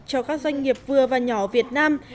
cho các doanh nghiệp vừa và nhỏ việt nam